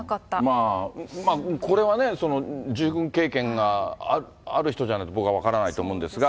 まあこれはね、従軍経験がある人じゃないと、僕は分からないと思うんですが。